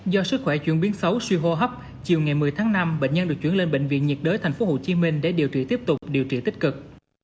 do sức khỏe chuyển biến xấu suy hô hấp chiều ngày một mươi tháng năm bệnh nhân được chuyển lên bệnh viện nhiệt đới thành phố hồ chí minh để điều trị tiếp tục điều trị tích cực